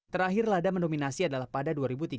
terakhir lada mendominasi adalah pada dua ribu tiga belas